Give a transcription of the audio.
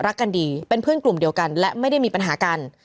รักกันดีเป็นเพื่อนกลุ่มเดียวกันและไม่ได้มีปัญหากัน